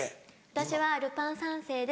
私は『ルパン三世』で。